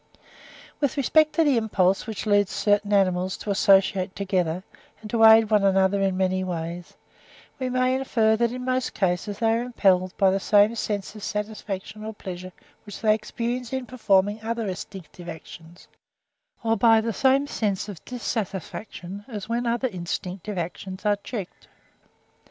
With respect to the impulse which leads certain animals to associate together, and to aid one another in many ways, we may infer that in most cases they are impelled by the same sense of satisfaction or pleasure which they experience in performing other instinctive actions; or by the same sense of dissatisfaction as when other instinctive actions are checked.